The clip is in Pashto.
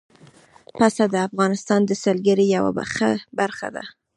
پسه د افغانستان د سیلګرۍ یوه ښه برخه ده.